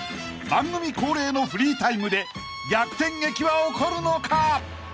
［番組恒例のフリータイムで逆転劇は起こるのか？］